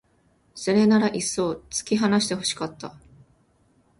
それならいっそう突き放して欲しかった